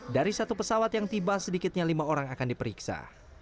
dari satu pesawat yang tiba sedikitnya lima orang akan diperiksa